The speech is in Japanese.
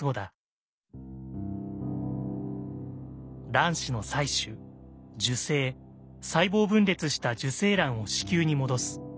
卵子の採取受精細胞分裂した受精卵を子宮に戻す。